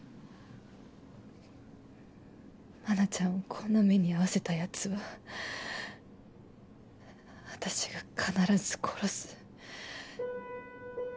愛奈ちゃんをこんな目に遭わせたヤツは私が必ず殺す。